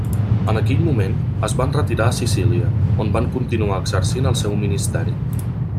En aquell moment, es van retirar a Sicília, on van continuar exercint el seu ministeri.